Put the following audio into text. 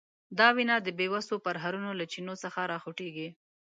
دا وینه د بیوسو پرهرونو له چینو څخه راخوټېږي.